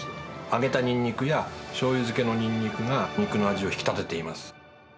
揚げたニンニクやしょうゆ漬けのニンニクが、肉の味を引きたてています。